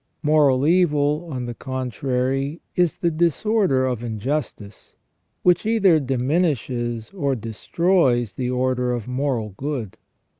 Moral evil, on the contrary, is the disorder of injustice, which either diminishes or destroys the order of moral good.